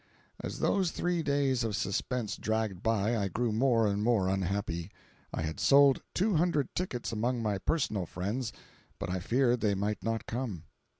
As those three days of suspense dragged by, I grew more and more unhappy. I had sold two hundred tickets among my personal friends, but I feared they might not come.